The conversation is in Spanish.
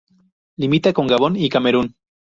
Limita con Gabón y Camerún.